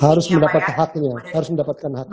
harus mendapat haknya harus mendapatkan haknya